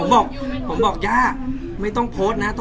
นี่คนก็ยังได้